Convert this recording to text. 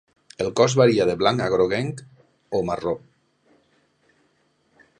El cos varia de blanc a groguenc o marró.